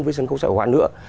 với sân khấu sợi hóa nữa